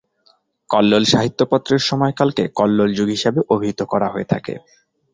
কল্লোল সাহিত্য পত্রের সময়কালকে কল্লোল যুগ হিসাবে অভিহিত করা হয়ে থাকে।